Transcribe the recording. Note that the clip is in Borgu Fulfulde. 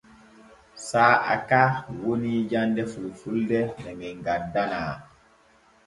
Saa'a ka woni jande fulfulde ne men gaddanaa.